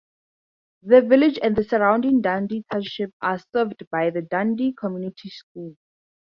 The village and the surrounding Dundee Township are served by Dundee Community Schools.